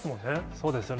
そうですよね。